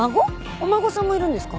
お孫さんもいるんですか？